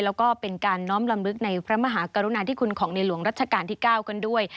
แล้วก็เป็นการน้อมลำลึกในพระมหากรุณาธิคุณของในหลวงรัชกาลที่๙กันด้วย